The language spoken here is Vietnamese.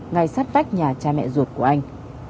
ngay sát vách nhà cha mẹ ruột của anh